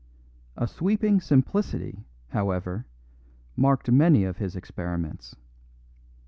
A sweeping simplicity, however, marked many of his experiments.